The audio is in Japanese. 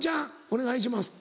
お願いします。